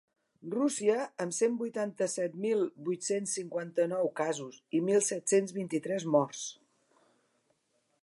Rússia, amb cent vuitanta-set mil vuit-cents cinquanta-nou casos i mil set-cents vint-i-tres morts.